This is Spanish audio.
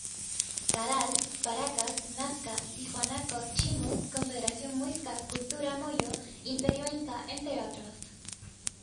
Caral, Paracas, Nazca, Tiahuanaco, Chimú, Confederación Muisca, cultura mollo, Imperio Inca entre otros.